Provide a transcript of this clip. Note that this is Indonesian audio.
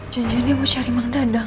jangan jangan dia mau cari mang dadang